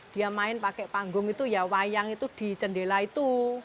dia main pakai panggung itu ya wayang itu di jendela itu